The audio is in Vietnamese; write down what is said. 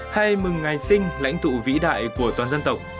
hay mừng ngày sinh lãnh tụ vĩ đại của toàn dân tộc